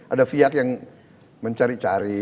ada pihak yang mencari cari